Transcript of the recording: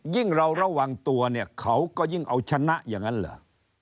ยิ่งเราระวังตัวเนี่ยเขาก็ยิ่งเอาฉะนั้นนะครับ